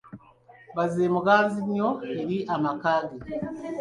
Baze muganzi nnyo eri amaka ge.